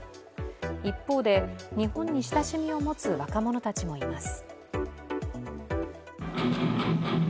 一方で、日本に親しみを持つ若者たちもいます。